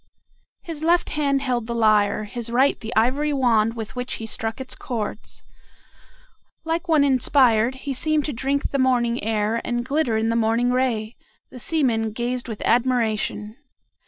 His left hand held the lyre, his right the ivory wand with which he struck its chords. Like one inspired, he seemed to drink the morning air and glitter in the morning ray. The seamen gazed with admiration.